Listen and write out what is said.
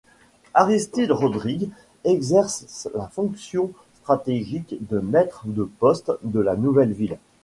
Aristide Rodrigue exerce la fonction stratégique de maitre de poste de la nouvelle ville.